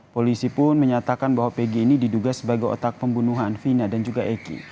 polisi pun menyatakan bahwa pg ini diduga sebagai otak pembunuhan vina dan juga eki